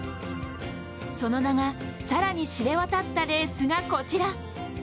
その名が、更に知れ渡ったレースがこちら。